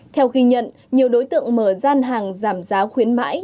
theo ghi nhận nhiều đối tượng mở gian hàng giảm giá khuyến mãi